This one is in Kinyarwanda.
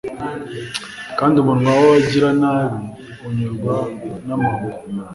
kandi umunwa w’abagiranabi unyurwa n’amahugu